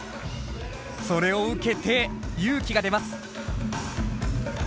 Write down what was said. それを受けてＹＵ−ＫＩが出ます。